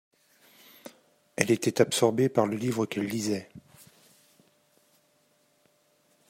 Elle était absorbée par le livre qu'elle lisait.